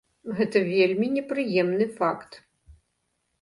Гэта вельмі непрыемны факт.